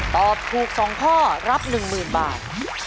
ตอบถูก๒ข้อรับ๑๐๐๐บาท